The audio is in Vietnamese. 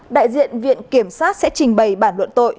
đại diện viện kiểm soát